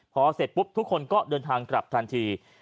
พอเสร็จปุ๊บทุกคนก็เดินทางกลับทันที